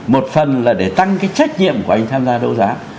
một phần là để tăng cái trách nhiệm của anh tham gia đấu giá